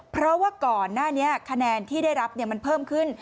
เพราะว่าก่อนหน้านี้คะแนนที่ได้รับมันเพิ่มขึ้น